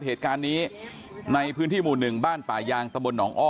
เหตุการณ์นี้ในพื้นที่หมู่๑บ้านป่ายางตะบนหนองอ้อ